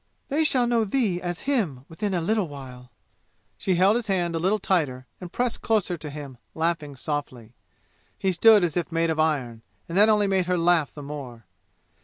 They shall know thee as Him within a little while!" She held his hand a little tighter and pressed closer to him, laughing softly. He stood as if made of iron, and that only made her laugh the more.